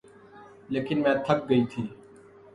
لیکن میں تھک گئی تھی